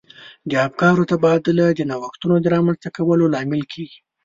د افکارو تبادله د نوښتونو د رامنځته کولو لامل کیږي.